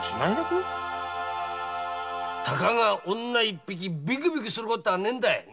たかが女一匹ビクビクすることはないんだよ。